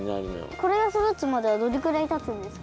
これがそだつまではどれぐらいたつんですか？